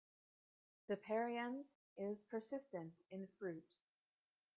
The perianth is persistent in fruit.